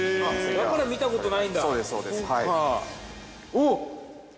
◆だから見たことないんだ。